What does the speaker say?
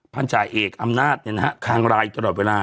พันธาเอกอำนาจเนี่ยนะฮะคางรายตลอดเวลา